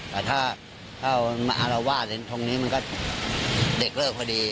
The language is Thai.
แต่ถ้ามาอารวาสตรงนี้มันก็เด็กเลิกพอดี